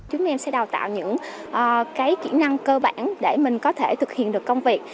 chúng em sẽ đào tạo những cái kỹ năng cơ bản để mình có thể thực hiện được công việc